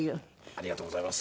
ありがとうございます。